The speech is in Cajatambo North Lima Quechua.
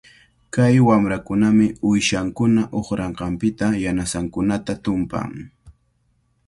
Kay wamrakunami uyshankuna uqranqanpita yanasankunata tumpan.